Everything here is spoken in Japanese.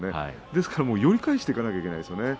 ですから寄り返していかなければいけないんです。